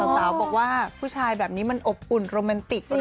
สาวบอกว่าผู้ชายแบบนี้มันอบอุ่นโรแมนติก